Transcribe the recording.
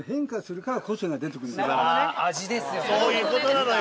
そういう事なのよ。